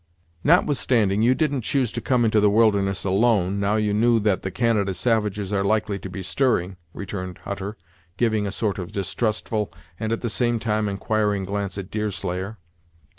"Notwithstanding, you didn't choose to come into the wilderness alone, now you knew that the Canada savages are likely to be stirring," returned Hutter, giving a sort of distrustful, and at the same time inquiring glance at Deerslayer.